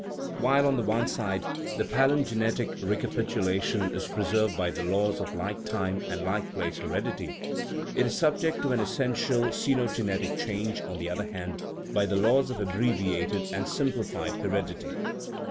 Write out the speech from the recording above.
While, on the one side, the palingenetic re capitulation is preserved by the laws of like time and like place heredity, it is subject to an essential ceno THE RIDDLE OF THE UNIVERSE genetic change, on the other hand, by the laws of abbre viated and simplified heredity.